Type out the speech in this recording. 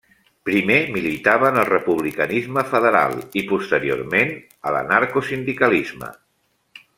Primer militava en el republicanisme federal i posteriorment a l'anarcosindicalisme.